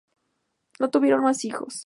No tuvieron más hijos.